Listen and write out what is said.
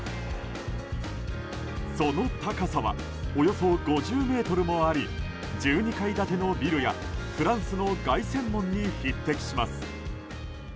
その高さは、およそ５０ｍあり１２階建てのビルやフランスの凱旋門に匹敵します。